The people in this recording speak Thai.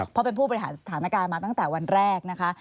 เพราะเป็นผู้บริหารสถานการณ์มาตั้งแต่วันแรกนะคะ